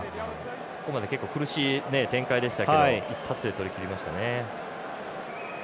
ここまで結構苦しい展開でしたけど一発でとりきりましたね。